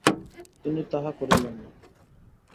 কিন্তু তিনি তাহা করিলেন না।